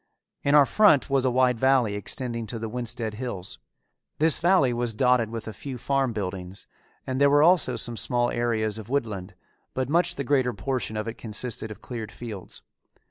In our front was a wide valley extending to the Winsted Hills. This valley was dotted with a few farm buildings, and there were also some small areas of woodland, but much the greater portion of it consisted of cleared fields.